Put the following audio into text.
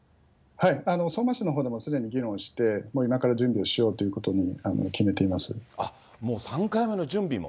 相馬市のほうでもすでに議論して、今から準備をしようというもう３回目の準備も？